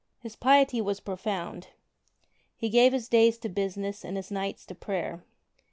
His piety was profound. He gave his days to business, and his nights to prayer.